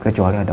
kecuali apa pak